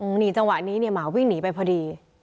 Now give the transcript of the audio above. นี่จังหวะนี้เนี่ยหมาวิ่งหนีไปพอดี